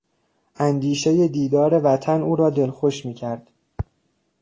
اندیشهی دیدار وطن او را دلخوش میکرد.